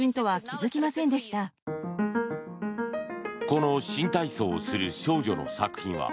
この新体操する少女の作品は